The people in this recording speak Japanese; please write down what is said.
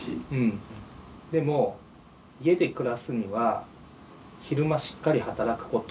でも家で暮らすには昼間しっかり働くこと。